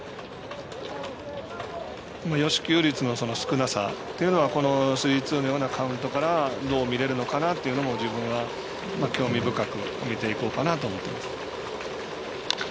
与四球率の少なさというのはスリーツーのようなカウントからどう入れるのかなというのは自分は興味深く見ていこうかなと思ってます。